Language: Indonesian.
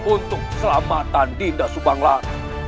untuk selamatan dinda subanglar